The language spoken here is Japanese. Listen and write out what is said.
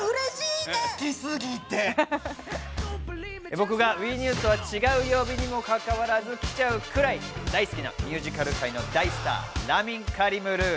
僕がＷＥニュースとは違う曜日にも関わらず来ちゃうくらい大好きなミュージカル界の大スター、ラミン・カリムルー。